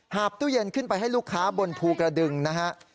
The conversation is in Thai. บตู้เย็นขึ้นไปให้ลูกค้าบนภูกระดึงนะฮะ